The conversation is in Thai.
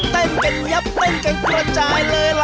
เต้นกันยับเต้นกันกระจายเลยล่ะ